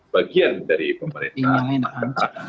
bagian dari pemerintahan